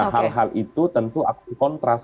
hal hal itu tentu akan kontras